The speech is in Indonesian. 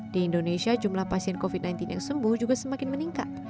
di indonesia jumlah pasien covid sembilan belas yang sembuh juga semakin meningkat